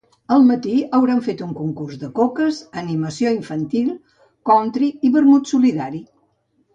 Al matí hauran fet un concurs de coques, animació infantil, country i vermut solidari.